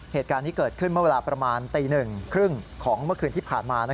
เหตุการณ์นี้เกิดขึ้นเมื่อเวลาประมาณตี๑๓๐ของเมื่อคืนที่ผ่านมา